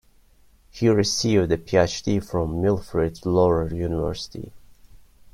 He received a PhD from Wilfrid Laurier University.